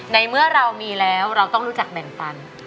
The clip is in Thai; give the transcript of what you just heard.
ในเมื่อเรามีแล้วเราต้องรู้จักแบ่งปัน